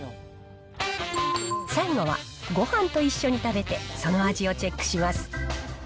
最後はごはんと一緒に食べて、その味をチェックします。